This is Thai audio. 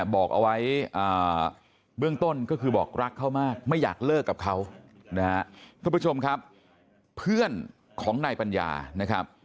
บอกเอาไว้เบื้องต้นก็คือบอกรักเขามากไม่อยากเลิกกับเขานะฮะทุกผู้ชมครับเพื่อนของนายปัญญานะครับ